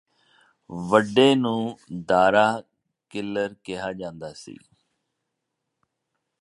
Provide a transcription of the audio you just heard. ਵੱਡੇ ਨੂੰ ਦਾਰਾ ਕਿੱਲਰ ਕਿਹਾ ਜਾਂਦਾ ਸੀ